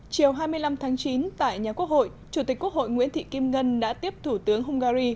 chiều hai mươi năm tháng chín tại nhà quốc hội chủ tịch quốc hội nguyễn thị kim ngân đã tiếp thủ tướng hungary